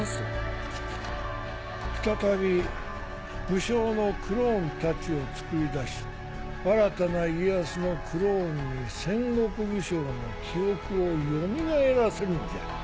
再び武将のクローンたちをつくり出し新たな家康のクローンに戦国武将の記憶を蘇らせるのじゃ。